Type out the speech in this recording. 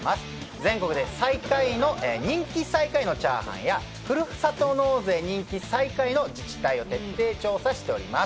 全国で人気最下位のチャーハンや、ふるさと納税人気最下位の自治体を徹底調査しております。